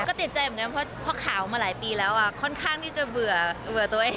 ก็ติดใจเหมือนกันเพราะข่าวมาหลายปีแล้วค่อนข้างที่จะเบื่อตัวเอง